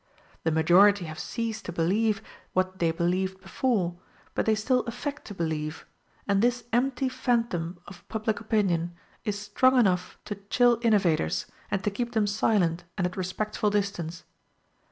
The majority have ceased to believe what they believed before; but they still affect to believe, and this empty phantom of public opinion in strong enough to chill innovators, and to keep them silent and at respectful distance.